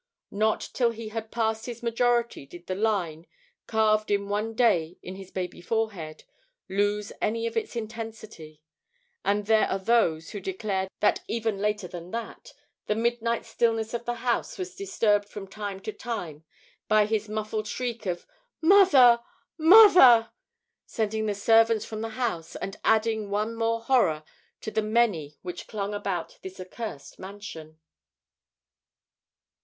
Not till he had passed his majority did the line, carved in one day in his baby forehead, lose any of its intensity; and there are those who declare that even later than that, the midnight stillness of the house was disturbed from time to time by his muffled shriek of "Mother! Mother!", sending the servants from the house, and adding one more horror to the many which clung about this accursed mansion.